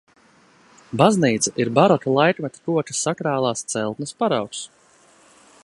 Baznīca ir baroka laikmeta koka sakrālās celtnes paraugs.